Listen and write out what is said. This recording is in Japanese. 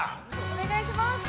お願いします！